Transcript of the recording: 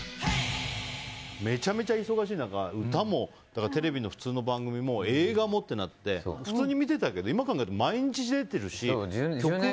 めちゃめちゃ忙しい中歌も、テレビの普通の番組も映画もってなって普通に見てたけど今、考えると毎日出てるし。